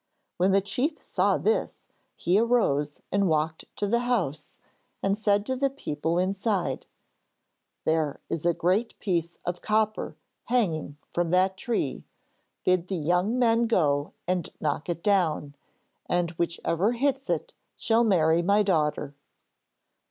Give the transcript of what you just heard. When the chief saw this he arose and walked to the house and said to the people inside: 'There is a great piece of copper hanging from that tree. Bid the young men go and knock it down and whichever hits it shall marry my daughter.'